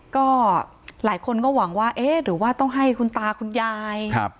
ก็หลายคนก็หวังว่าเอ๊ะหรือว่าต้องให้คุณตาคุณยาย